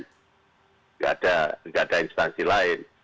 tidak ada instansi lain